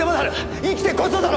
生きてこそだろ！